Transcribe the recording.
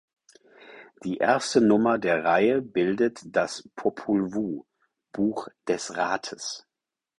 Die erste Nummer der Reihe bildet das "Popol Vuh" („Buch des Rates“).